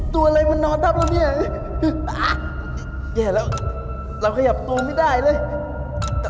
ตัวอะไรมันนอนทับแล้วเนี่ยแย่แล้วเราขยับตัวไม่ได้เลย